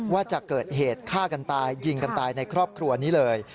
ว่าจะเกิดเหตุฆ่ากันตายยิงกันตายในครอบครัวนี้เลย